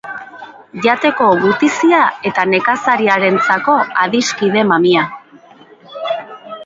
Jateko gutizia eta nekazariarentzako adiskide mamia.